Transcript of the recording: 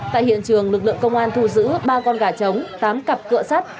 tại hiện trường lực lượng công an thu giữ ba con gà trống tám cặp cửa sắt